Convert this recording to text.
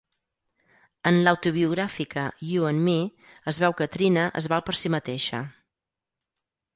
En l'autobiogràfica "U and Me" es veu que Trina es val per si mateixa.